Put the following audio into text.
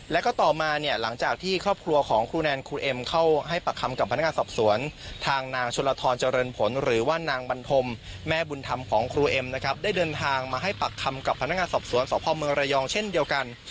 แล้วก็ต่อมาเนี่ยหลังจากที่ครอบครัวของครูแนนครูเอ็มเข้าให้ปากคำกับพนักงานสอบสวนทางนางชลทรเจริญผลหรือว่านางบันทมแม่บุญธรรมของครูเอ็มนะครับได้เดินทางมาให้ปากคำกับพนักงานสอบสวนสพเมืองระยองเช่นเดียวกัน